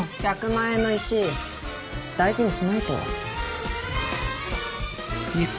１００万円の石大事にしないと。